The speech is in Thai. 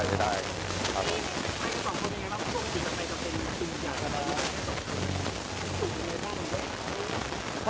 มีแฟนไหมครับมีแฟนไหมครับ